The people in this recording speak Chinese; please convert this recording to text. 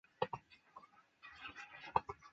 节目编剧专门给这种大衣起了代号。